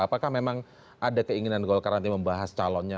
apakah memang ada keinginan golkar nanti membahas calonnya